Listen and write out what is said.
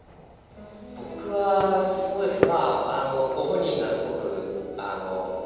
僕はそうですね